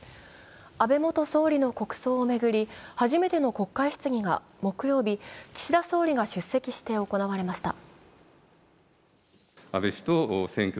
安倍元総理の国葬を巡り、初めての国会質疑が木曜日、岸田総理が出席して行われました。